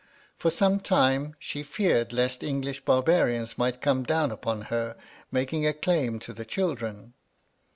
For some time, she feared lest English barbarians might come down upon her, making a claim to the children.